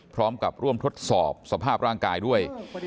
พร้อมกับร่วมทดสอบสภาพร่างกายด้วย